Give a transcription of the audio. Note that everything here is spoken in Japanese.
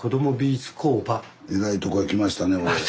えらいとこへ来ましたね俺。